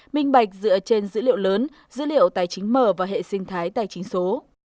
minh bạch dựa trên dữ liệu lớn dữ liệu tài chính mở và hệ sinh thái tài chính số